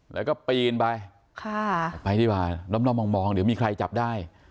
แล้วก็ปีนไปค่ะไปดีกว่าด้อมด้อมมองมองเดี๋ยวมีใครจับได้